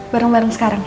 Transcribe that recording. bareng bareng sekarang